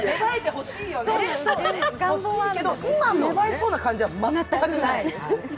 ほしいけど、今芽生えそうな感じは全くない。